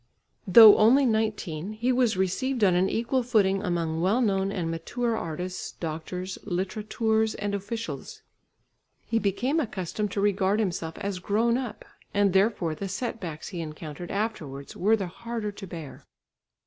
Though only nineteen, he was received on an equal footing among well known and mature artists, doctors, littérateurs and officials. He became accustomed to regard himself as grown up, and therefore the set backs he encountered afterwards, were the harder to bear.